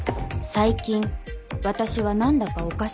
最近私はなんだかおかしい